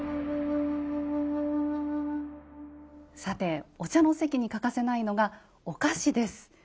さてお茶の席に欠かせないのがお菓子です。